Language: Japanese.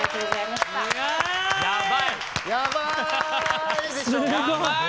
すごい！